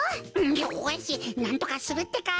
よしなんとかするってか！